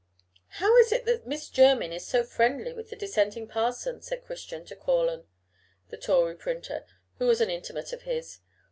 "How is it that Miss Jermyn is so friendly with the Dissenting parson?" said Christian to Quorlen, the Tory printer, who was an intimate of his.